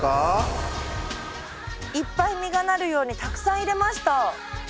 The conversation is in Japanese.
いっぱい実がなるようにたくさん入れました。